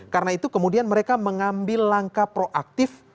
karena itu kemudian mereka mengambil langkah proaktif